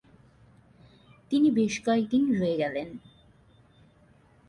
তিনি বেশ কয়েক দিন রয়ে গেলেন।